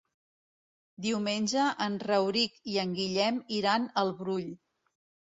Diumenge en Rauric i en Guillem iran al Brull.